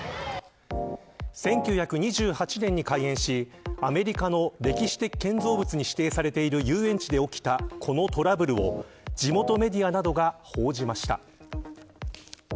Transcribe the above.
１９２８年に開園しアメリカの歴史的建造物に指定されている遊園地で起きたこのトラブルを地元メディアなどが報じました。